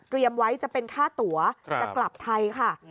เตรียมไว้จะเป็นค่าตั๋วจะกลับไทยค่ะ